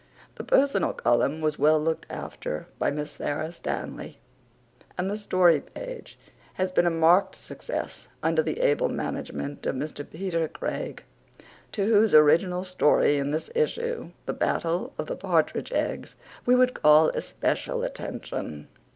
The personal column was well looked after by Miss Sara Stanley and the story page has been a marked success under the able management of Mr. Peter Craig, to whose original story in this issue, "The Battle of the Partridge Eggs," we would call especial attention.